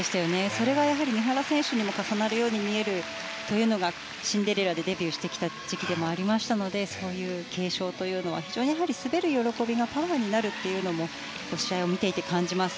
それがやはり三原選手にも重なるように見えるというのが「シンデレラ」でデビューをしてきた時期でもありましたのでそういう継承というのは滑る喜びがパワーになることが試合を見ていて感じます。